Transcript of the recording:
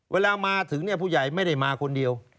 เวลามาถึงเนี่ยผู้ใหญ่ไม่ได้มาคนเดียว